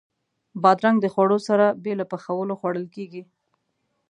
بادرنګ د خوړو سره بې له پخولو خوړل کېږي.